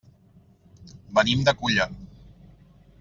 Venim de Culla.